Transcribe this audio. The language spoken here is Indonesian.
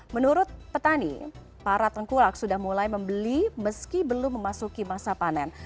menurut petani para tengkulak sudah mulai membeli meski belum memasuki masa panen